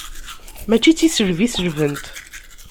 Mačči d tiselbi i selbent.